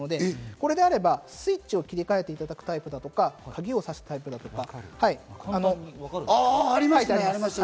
これであれば、スイッチを切り替えていただくタイプとか、鍵を挿すタイプとか。